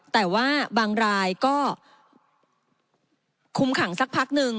แต่ว่าบางรายก็คุมขังสักพักนึง